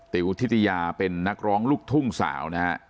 ติ๋วทิตยาเป็นนักร้องลูกทุ่งสาวนะฮะ